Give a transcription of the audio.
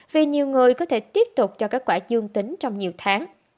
vì nhiều người có thể tiếp tục cho kết quả dương tính trong nhiều tháng